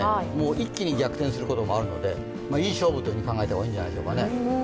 一気に逆転することもあるので、いい勝負というふうに考えた方がいいんじゃないですかね